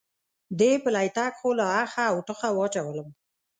دې پلی تګ خو له آخه او ټوخه واچولم.